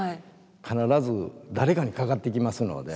必ず誰かにかかってきますので。